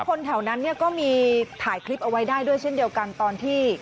คนแถวนั้นเนี่ยก็มีถ่ายคลิปเอาไว้ได้ด้วยเช่นเดียวกันตอนที่